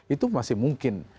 itu masih mungkin